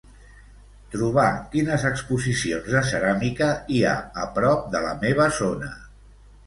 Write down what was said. Trobar quines exposicions de ceràmica hi ha a prop de la meva zona.